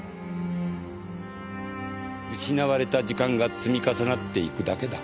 失われた時間が積み重なっていくだけだ。